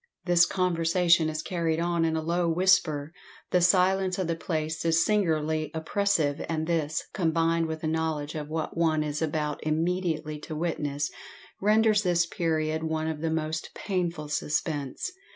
This conversation is carried on in a low whisper; the silence of the place is singularly oppressive; and this, combined with the knowledge of what one is about immediately to witness, renders this period one of the most painful suspense.